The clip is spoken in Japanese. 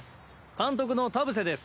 監督の田臥です。